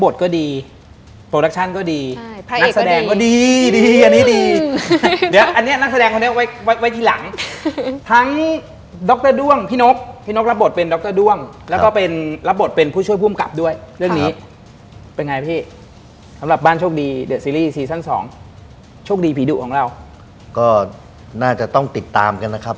ซีรีส์ซังสองโชคดีผีดุของเราก็น่าจะต้องติดตามกันนะครับ